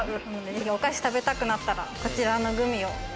お菓子が食べたくなったら、こちらのグミを。